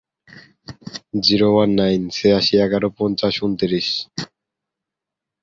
অগ্নিপূজায় প্রথমে নরবলির বিধান ছিল।